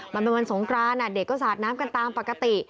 มันเป็นวันสงกรานเด็กก็สาดน้ำกันตามปกติ